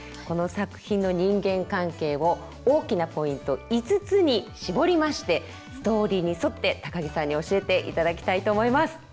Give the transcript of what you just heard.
この作品の人間関係を大きなポイント５つに絞りましてストーリーに沿って高木さんに教えていただきたいと思います。